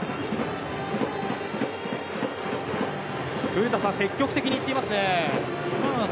古田さん、積極的にいっていますね。